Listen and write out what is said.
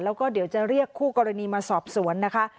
แล้วก็เดี๋ยวจะเรียกคู่กรณีมาสอบสวนนะคะ